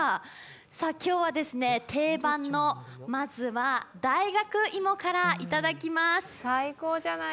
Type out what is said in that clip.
今日は定番の、まずは大学芋からいただきます。